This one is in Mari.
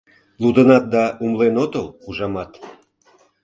Лудынат да умылен отыл, ужамат.